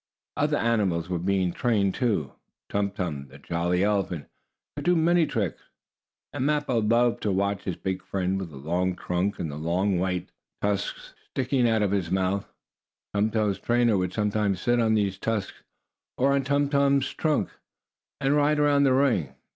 Other animals were being trained, too. Tum Tum, the jolly elephant could do many tricks, and Mappo loved to watch his big friend, with the long trunk, and the long white teeth, or tusks, sticking out of his mouth. Tum Tum's trainer would sometimes sit on these tusks, or on Tum Tum's trunk, and ride around the ring.